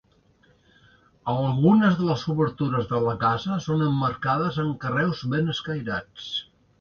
Algunes de les obertures de la casa són emmarcades amb carreus ben escairats.